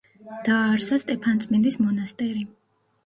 დააარსა სტეფანწმინდის მონასტერი.